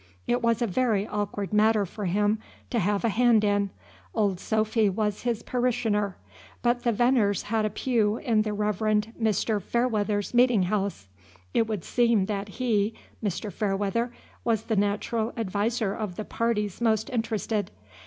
It was a very awkward matter for him to have a hand in. Old Sophy was his parishioner, but the Veneers had a pew in the Reverend Mr. Fairweather's meeting house. It would seem that he, Mr. Fairweather, was the natural adviser of the parties most interested.